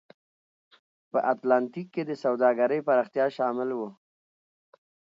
په اتلانتیک کې د سوداګرۍ پراختیا شامل و.